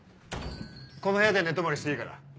この部屋で寝泊まりしていいから。